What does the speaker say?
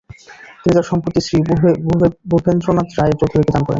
তিনি তার সম্পত্তি শ্রী ভূপেন্দ্রনাথ রায় চৌধুরীকে দান করেন।